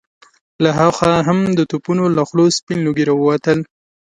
له هاخوا هم د توپونو له خولو سپين لوګي را ووتل.